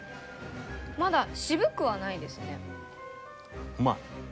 まだ渋くはないですね。